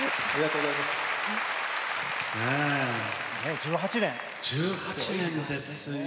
１８年ですよ。